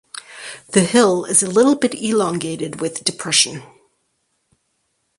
The hill is little bit elongated with depression.